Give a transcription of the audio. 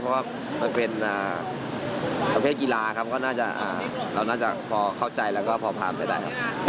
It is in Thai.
เพราะว่ามันเป็นอเทศกีฬาครับก็น่าจะเค้าใจแล้วก็พอผ่านไปได้